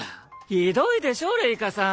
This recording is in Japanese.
ひどいでしょレイカさん！